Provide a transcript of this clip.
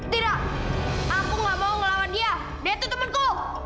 tidak aku tidak mau melawan dia dia itu temanku